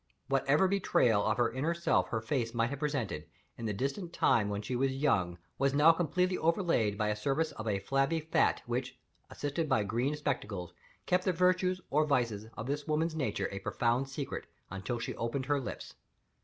Whatever betrayal of her inner self her face might have presented, in the distant time when she was young, was now completely overlaid by a surface of a flabby fat which, assisted by green spectacles, kept the virtues (or vices) of this woman's nature a profound secret until she opened her lips.